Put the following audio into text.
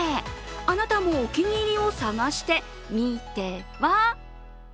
あなたもお気に入りを探してみては？